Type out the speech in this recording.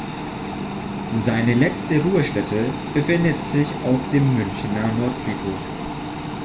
Seine letzte Ruhestätte befindet sich auf dem Münchener Nordfriedhof.